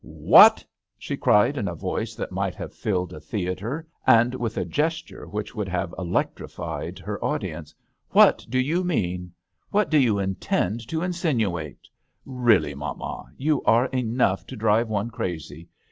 " What I " she cried in a voice that might have filled a theatre and with a gesture which would have electrified her audience. " What do you mean ? What do you intend to insinuate ? Really, mamma, you are enough to drive one crazy.